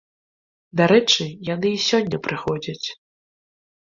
Дарэчы, яны і сёння прыходзяць.